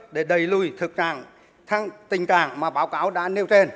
để đẩy lùi thực trạng tình trạng mà báo cáo đã nêu trên